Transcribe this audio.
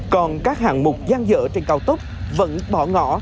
còn các hạng mục gian dở trên cao tốc vẫn bỏ ngỏ